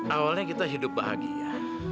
awalnya kita hidup bahagia